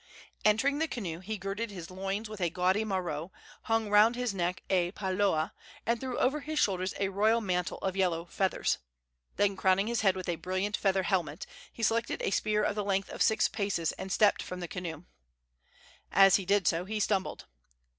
Entering the canoe, he girded his loins with a gaudy maro, hung round his neck a palaoa, and threw over his shoulders a royal mantle of yellow feathers. Then, crowning his head with a brilliant feather helmet, he selected a spear of the length of six paces and stepped from the canoe. As he did so he stumbled.